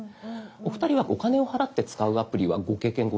お二人はお金を払って使うアプリはご経験ございますか？